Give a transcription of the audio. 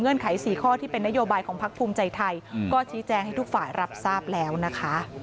ไข๔ข้อที่เป็นนโยบายของพักภูมิใจไทยก็ชี้แจงให้ทุกฝ่ายรับทราบแล้วนะคะ